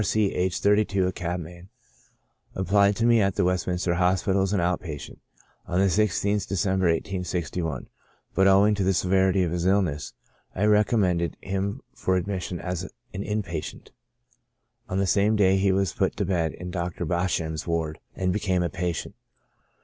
C —, aged 32, a cabman, applied to me at the Westminster Hospital as an out patient, on the i6th De cember, 1861 ; but, owing to the severity of his illness, I recommended him for admission as in patient. On the same day he was put to bed in Dr. Basham's ward, and be came a patient.